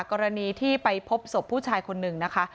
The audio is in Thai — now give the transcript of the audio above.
กรณีที่ไปพบศพผู้ชายคนหนึ่งนะคะ